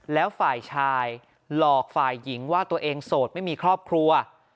แล้วฝ่ายชายหลอกฝ่ายหญิงว่าตัวเองโสดไม่มีครอบครัว